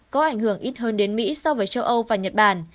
có ảnh hưởng ít hơn đến mỹ so với châu âu và nhật bản